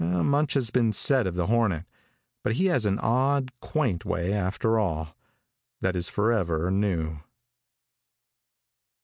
Much has been said of the hornet, but he has an odd, quaint way after all, that is forever new.